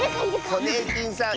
ホネーキンさん